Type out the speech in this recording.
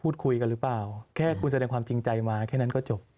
พูดคุยกันหรือเปล่าแค่คุณแสดงความจริงใจมาแค่นั้นก็จบ